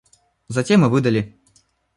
Затем и выдали.